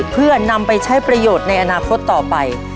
เพื่อนำไปใช้ประโยชน์ในอนาคตต่อไป